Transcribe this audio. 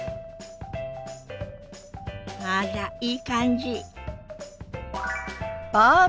あらいい感じ。